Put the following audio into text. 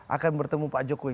akan bertemu pak jokowi